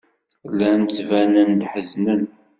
Llan ttbanen-d ḥeznen.